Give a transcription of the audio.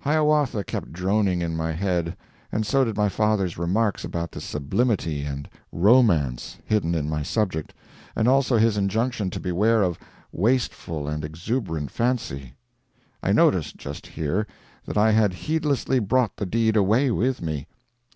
"Hiawatha" kept droning in my head—and so did my father's remarks about the sublimity and romance hidden in my subject, and also his injunction to beware of wasteful and exuberant fancy. I noticed, just here, that I had heedlessly brought the deed away with me.